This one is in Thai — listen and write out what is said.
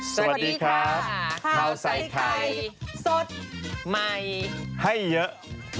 สวัสดีค่ะข้าวใส่ไข่สดใหม่ให้เยอะ